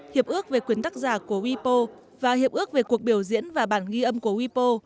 hiệp ước về quyền tác giả của wipo và hiệp ước về cuộc biểu diễn và bản ghi âm của wipo